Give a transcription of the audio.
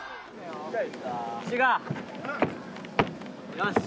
よし。